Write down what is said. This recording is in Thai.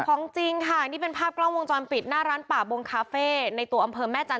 ของจริงค่ะนี่เป็นภาพกล้องวงจรปิดหน้าร้านป่าบงคาเฟ่ในตัวอำเภอแม่จันท